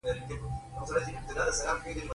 سړه هوا درنه وي او ښکته ځي.